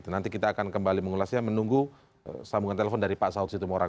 nanti kita akan kembali mengulasnya menunggu sambungan telepon dari pak saud situmorang